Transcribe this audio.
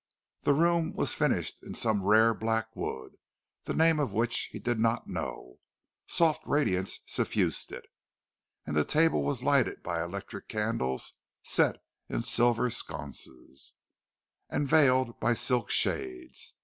The room was finished in some rare black wood, the name of which he did not know; soft radiance suffused it, and the table was lighted by electric candles set in silver sconces, and veiled by silk shades.